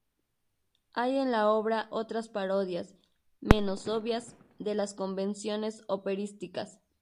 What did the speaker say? Hay en la obra otras parodias, menos obvias, de las convenciones operísticas.